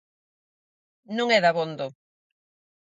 Non é dabondo.